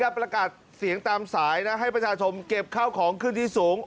ประกาศเสียงตามสายนะให้ประชาชนเก็บข้าวของขึ้นที่สูง